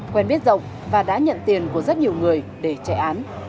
quen biết rộng và đã nhận tiền của rất nhiều người để chạy án